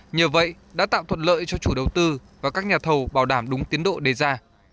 nhờ vậy đã tạo thuận lợi cho chủ đầu tư và các nhà thầu bảo đảm đúng tiến độ đề ra